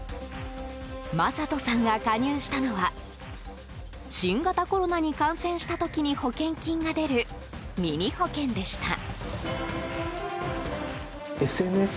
マサトさんが加入したのは新型コロナに感染した時に保険金が出るミニ保険でした。